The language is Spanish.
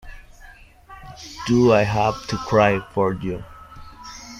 Do I Have to Cry for You?